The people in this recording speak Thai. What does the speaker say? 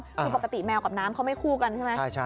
คือปกติแมวกับน้ำเขาไม่คู่กันใช่ไหม